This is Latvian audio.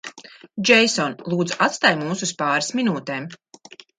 Džeison, lūdzu atstāj mūs uz pāris minūtēm?